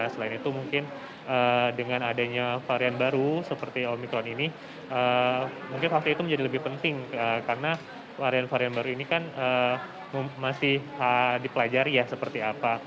selain itu mungkin dengan adanya varian baru seperti omikron ini mungkin hal itu menjadi lebih penting karena varian varian baru ini kan masih dipelajari ya seperti apa